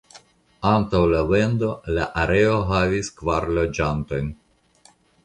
Antaŭ la vendo la areo havis kvar loĝantojn.